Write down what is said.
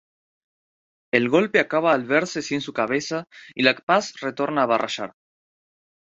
El golpe acaba al verse sin su "cabeza", y la paz retorna a Barrayar.